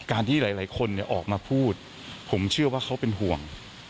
ที่หลายคนออกมาพูดผมเชื่อว่าเขาเป็นห่วง